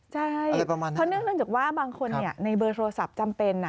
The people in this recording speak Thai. ใช่เพราะเนื่องเนื่องจากว่าบางคนในเบอร์โทรศัพท์จำเป็น